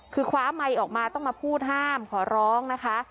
คือคว้าไมค์ออกมาต้องมาพูดห้ามขอร้องนะคะ